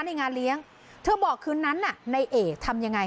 ในงานเลี้ยงเธอบอกคืนนั้นน่ะในเอทำยังไง